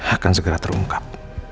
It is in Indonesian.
akan segera terungkap